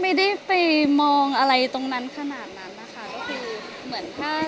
ไม่ได้ไปมองอะไรตรงนั้นขนาดนั้นนะคะ